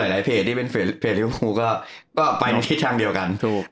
และก็ไปตอบทีทางเดียวกันนะครับ